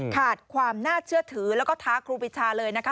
ขาดความน่าเชื่อถือแล้วก็ท้าครูปีชาเลยนะคะ